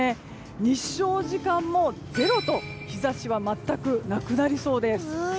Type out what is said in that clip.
日照時間もゼロと日差しは全くなくなりそうです。